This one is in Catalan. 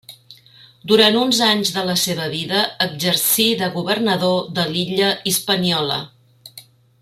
Durant uns anys de la seva vida exercí de governador de l'illa Hispaniola.